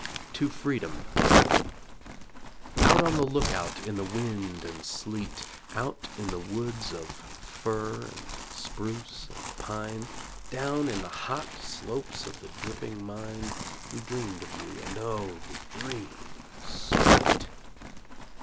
TO FREEDOM Out on the "lookout" in the wind and sleet, Out in the woods of fir and spruce and pine, Down in the hot slopes of the dripping mine We dreamed of you and Oh, the dream was sweet!